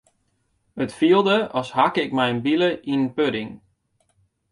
It fielde as hakke ik mei in bile yn in pudding.